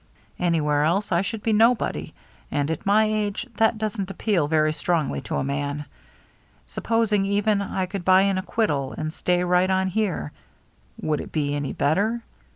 Anywhere else I should be nobody, and at my age that doesn't appeal very strongly to a man. Supposing, even, I could buy an acquittal and stay right on here, would it be any better?